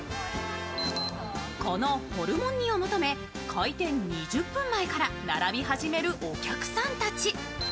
このホルモン煮を求め開店２０分前から並び始めるお客さんたち。